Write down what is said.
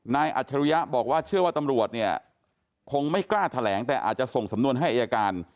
อัจฉริยะบอกว่าเชื่อว่าตำรวจเนี่ยคงไม่กล้าแถลงแต่อาจจะส่งสำนวนให้อายการ